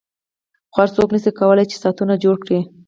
خو هر څوک نشي کولای چې ساعتونه جوړ کړي